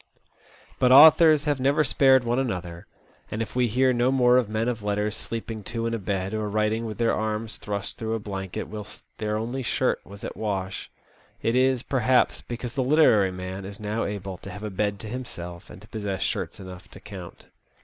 But authors have never spared one another, and if we hear no more of men of letters sleeping two in a bed, or writing with their arms thrust through a blanket whilst their only shirt was at wash, it is, perhaps, because the literary man is now able to have a bed to himself, and to possess shirts enough to count.